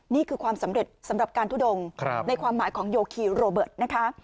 นี่คือความสำเร็จสำหรับการทุดงในความหมายของโยคีโรเบิร์ตนะคะ